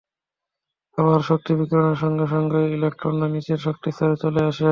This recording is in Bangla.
আবার শক্তি বিকিরণের সঙ্গে সঙ্গেই ইলেকট্রনরা নিচের শক্তিস্তরে চলে আসে।